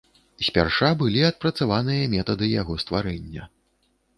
Спярша былі адпрацаваныя метады яго стварэння.